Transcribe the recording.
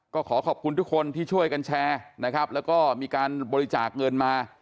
ก็ขอขอบคุณทุกคนที่ช่วยกันแชร์นะครับแล้วก็มีการบริจาคเงินมา